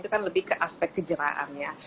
itu kan lebih ke aspek kejeraannya